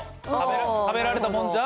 食べられたもんじゃ？